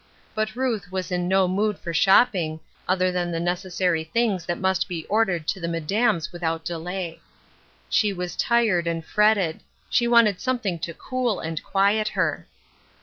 But Ruth was in no mood for shopping, other than the necessary things that must be ordered to the " Madame's " without delay. She " That Which Satlsfieth Not." 341 was tired and fretted ; she wanted something to cool and quiet her.